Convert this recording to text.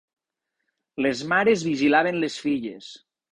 Les mares vigilaven les filles.